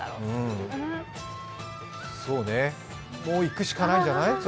もういくしかないんじゃない？